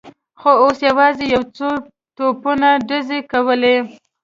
خو اوس یوازې یو څو توپونو ډزې کولې.